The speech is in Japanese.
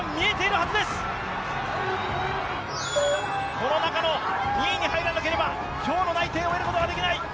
この中の２位に入らなければ今日の内定を受けることができない。